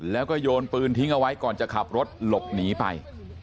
แล้วก็โยนปืนทิ้งเอาไว้ก่อนจะขับรถหลบหนีไป